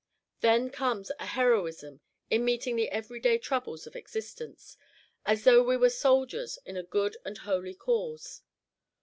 Then comes a heroism in meeting the every day troubles of existence, as though we were soldiers in a good and holy cause.